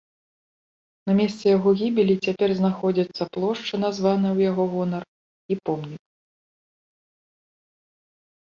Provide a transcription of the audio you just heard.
На месцы яго гібелі цяпер знаходзяцца плошча, названая ў яго гонар, і помнік.